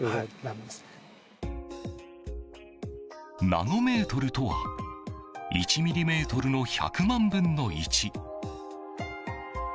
ナノメートルとは１ｍｍの１００万分の１。